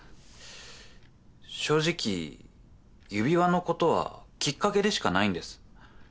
正直指輪のことはきっかけでしかないんです。